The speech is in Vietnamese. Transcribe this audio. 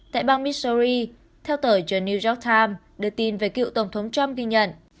tại bang mishori theo tờ the new york times đưa tin về cựu tổng thống trump ghi nhận